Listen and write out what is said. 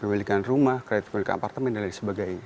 kredit kepulihkan rumah kredit kepulihkan apartemen dan lain sebagainya